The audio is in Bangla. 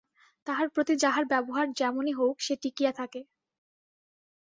তাহার প্রতি যাহার ব্যবহার যেমনি হউক, সে টিঁকিয়া থাকে।